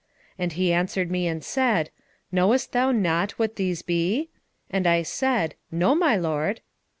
4:13 And he answered me and said, Knowest thou not what these be? And I said, No, my lord.